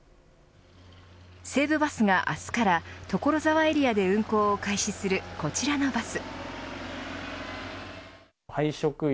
西武バスが明日から所沢エリアで運行するこちらのバス。